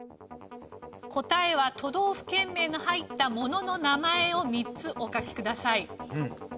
答えは都道府県名の入ったものの名前を３つお書きください。